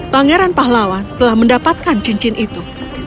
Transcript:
pangeran pahlawan telah mendapatkan cincin itu